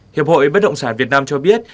hiệp hội bất động sản việt nam cho biết